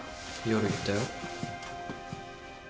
夜行ったよ。